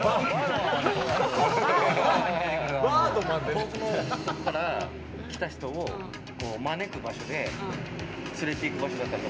遠くのほうから来た人を招く場所で連れていく場所だと？